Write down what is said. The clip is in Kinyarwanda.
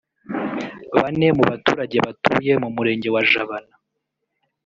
Bane mu baturage batuye mu Murenge wa Jabana